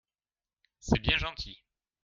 C’est bien gentil !